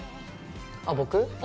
あ僕？